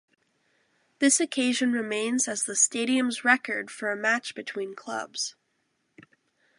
This occasion remains as the stadium's record for a match between clubs.